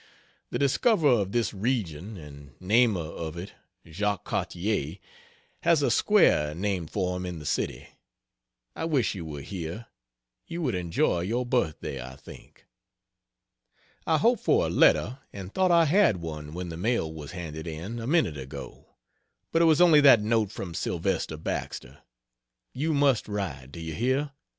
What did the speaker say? The discoverer of this region, and namer of it, Jacques Cartier, has a square named for him in the city. I wish you were here; you would enjoy your birthday, I think. I hoped for a letter, and thought I had one when the mail was handed in, a minute ago, but it was only that note from Sylvester Baxter. You must write do you hear?